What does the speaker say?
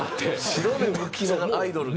白目むきながらアイドルが？